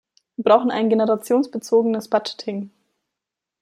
Wir brauchen ein generationsbezogenes Budgeting.